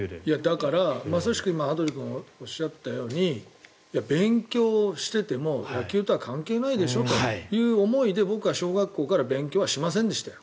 だから、まさしく羽鳥君がおっしゃったように勉強していても野球とは関係ないでしょという思いで、僕は小学校から勉強はしませんでしたよ。